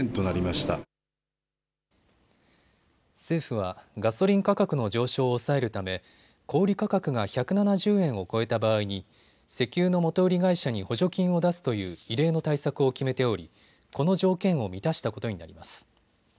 政府は、ガソリン価格の上昇を抑えるため小売価格が１７０円を超えた場合に石油の元売り会社に補助金を出すという異例の対策を決めておりこの条件を満たしたことになります。